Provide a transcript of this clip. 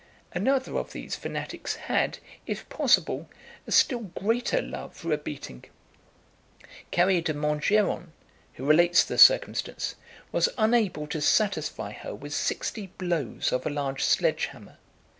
Another of these fanatics had, if possible, a still greater love for a beating. Carré de Montgeron, who relates the circumstance, was unable to satisfy her with sixty blows of a large sledge hammer.